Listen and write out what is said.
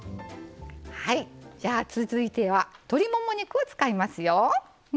続いては鶏もも肉を使いますよ。